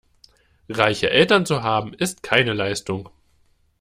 Reiche Eltern zu haben, ist keine Leistung.